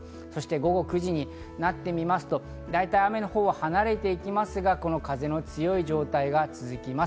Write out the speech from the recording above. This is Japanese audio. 午後９時になってみますと、だいたい雨のほうは離れていきますが、風の強い状態が続きます。